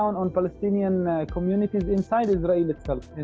kenapa mereka mencabut komunitas palestina di dalam israel sendiri